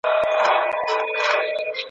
ماته خپل خالق لیکلی په ازل کي شبِ قدر !.